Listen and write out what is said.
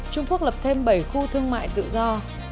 trung quốc lập thêm bảy khu thương mại tự do